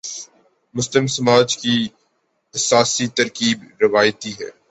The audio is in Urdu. مسلم سماج کی اساسی ترکیب روایتی ہے۔